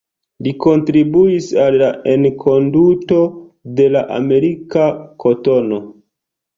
Li kontribuis al la enkonduko de la amerika kotono.